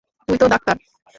তুই তো ডাক্তার।